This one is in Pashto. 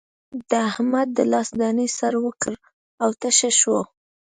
د احمد د لاس دانې سر وکړ او تشه شوه.